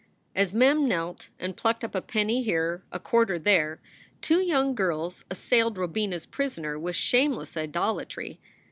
As Mem knelt and plucked up a penny here, a quarter there, two young girls assailed Robina s prisoner with shame less idolatry.